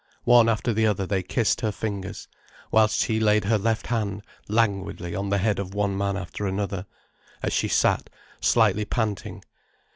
One after the other, they kissed her fingers, whilst she laid her left hand languidly on the head of one man after another, as she sat slightly panting.